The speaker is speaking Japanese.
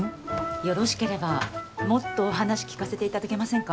よろしければもっとお話聞かせていただけませんか？